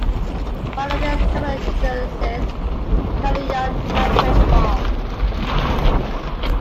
Part of this terminal utilises Cairnryan Lighterage Wharf.